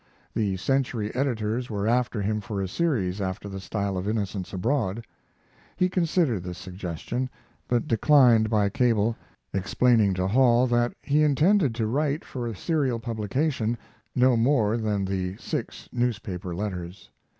The Century editors were after him for a series after the style of Innocents Abroad. He considered this suggestion, but declined by cable, explaining to Hall that he intended to write for serial publication no more than the six newspaper letters.